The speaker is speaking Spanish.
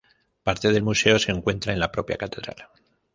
Parte del museo se encuentra en la propia catedral.